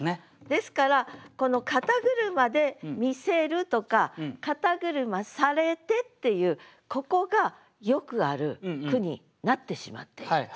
ですからこの「肩車で見せる」とか「肩車されて」っていうここがよくある句になってしまっていると。